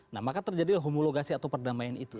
nah maka terjadi homologasi atau perdamaian itu